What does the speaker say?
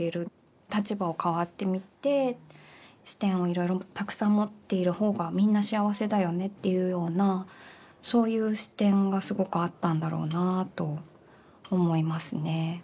「立場を変わってみて視点をいろいろたくさん持っている方がみんな幸せだよねっていうようなそういう視点がすごくあったんだろうなあと思いますね。